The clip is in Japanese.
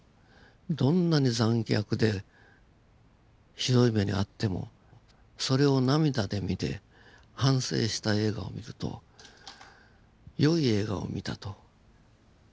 どんなに残虐でひどい目に遭ってもそれを涙で見て反省した映画を見ると良い映画を見たと。